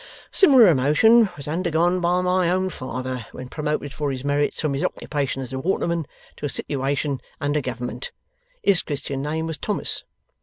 Similar emotion was undergone by my own father when promoted for his merits from his occupation as a waterman to a situation under Government. His Christian name was Thomas.